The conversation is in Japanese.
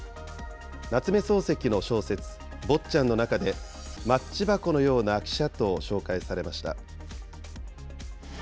夏目漱石の小説、坊ちゃんの中で、マッチ箱のような汽車と紹介されました。